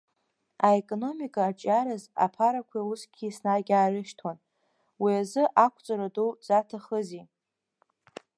Аекономика аҿиараз аԥарақәа усгьы еснагь иаарышьҭуан, уи азы Ақәҵара ду заҭахызи?